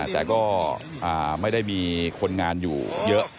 แต่ก็ไม่ได้มีคนงานอยู่เยอะ